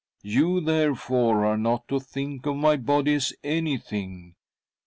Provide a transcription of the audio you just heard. You, therefore, are not to think of my body as anything.